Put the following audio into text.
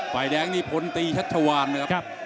ไฟแดงนี่พ้นตีชัดชวานนะครับ